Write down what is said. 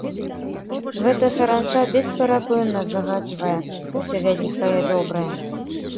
Гэтая саранча бесперапынна загаджвае ўсё вялікае і добрае.